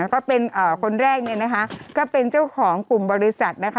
คนแรกนะคะก็เป็นเจ้าของกลุ่มบริษัทนะคะ